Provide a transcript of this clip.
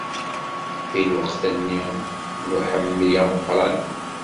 Di lweqt-nni n uḥemmal ameqqran.